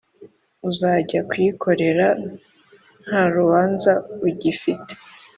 Uzajya kuyikorera ntarubanza ugifite